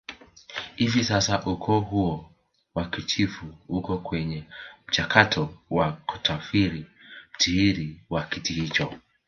Hivi sasa ukoo huo wakichifu uko kwenye mchakato wa kutafiti mrithi wa kiti hicho